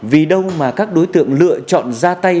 vì đâu mà các đối tượng lựa chọn ra tay